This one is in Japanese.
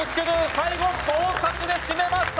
最後合格で締めました